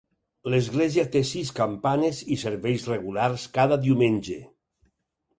L'església té sis campanes i serveis regulars cada diumenge.